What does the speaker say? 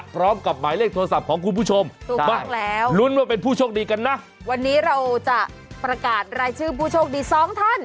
พร้อมกับหมายเลขโทรศัพท์ของคุณผู้ชมถูกต้องแล้วลุ้นว่าเป็นผู้โชคดีกันนะวันนี้เราจะประกาศรายชื่อผู้โชคดีสองท่าน